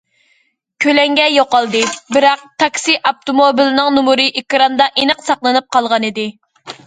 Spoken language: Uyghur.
كۆلەڭگە يوقالدى، بىراق تاكسى ئاپتوموبىلىنىڭ نومۇرى ئېكراندا ئېنىق ساقلىنىپ قالغانىدى.